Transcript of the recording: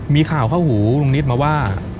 มีข่าวเข้าหูลุงนิดมาว่า